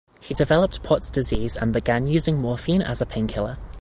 He developed Pott's disease and began using morphine as a painkiller.